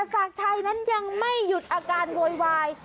ศักดิ์ชัยนั้นยังไม่หยุดอาการโวยวาย